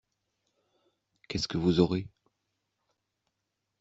Qu’est-ce que vous aurez ?